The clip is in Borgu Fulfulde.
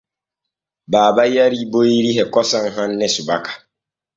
Baaba yarii boyri e kosom hanne subaka.